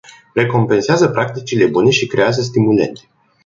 Recompensează practicile bune și creează stimulente.